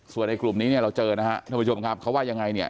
ส่วนในกลุ่มนี้เนี่ยเราเจอนะฮะท่านผู้ชมครับเขาว่ายังไงเนี่ย